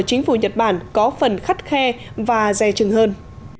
chính phủ nhật bản có phần khắt khe và dè chừng hơn